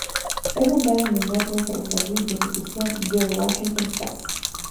Es nombrado en honor de un ferrocarril de ejecución George Washington Cass.